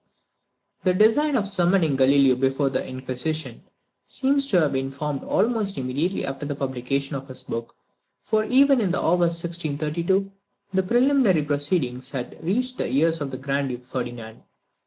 The design of summoning Galileo before the Inquisition, seems to have been formed almost immediately after the publication of his book; for even in August 1632, the preliminary proceedings had reached the ears of the Grand Duke Ferdinand.